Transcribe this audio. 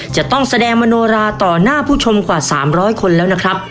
จะต้องแสดงมโนราต่อหน้าผู้ชมกว่า๓๐๐คนแล้วนะครับ